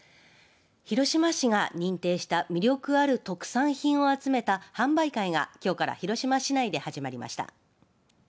広島市が認定した魅力ある特産品を集めた販売会が、きょうから広島市内で始まりました。